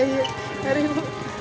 terima kasih bu